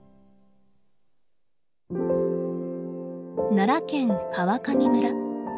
奈良県川上村。